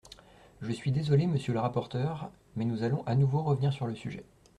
Je suis désolé, monsieur le rapporteur, mais nous allons à nouveau revenir sur le sujet.